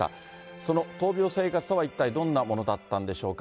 その闘病生活とは一体どんなものだったんでしょうか。